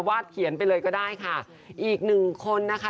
เขียนไปเลยก็ได้ค่ะอีกหนึ่งคนนะคะ